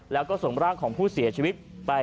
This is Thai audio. แล้วก็ส่งร่างของผู้เสียชีวิตไป